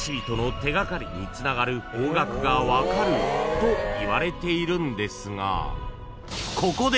［といわれているんですがここで］